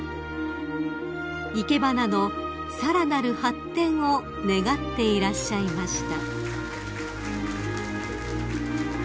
［生け花のさらなる発展を願っていらっしゃいました］